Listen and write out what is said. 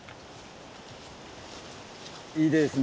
いいですね。